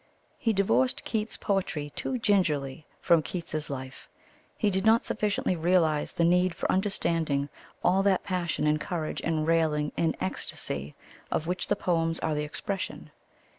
He divorced Keats's poetry too gingerly from Keats's life. He did not sufficiently realize the need for understanding all that passion and courage and railing and ecstasy of which the poems are the expression.